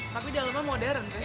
tapi dalamnya modern sih